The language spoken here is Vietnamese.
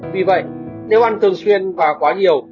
vì vậy nếu ăn thường xuyên và quá nhiều